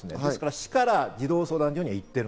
市から児童相談所には行っている。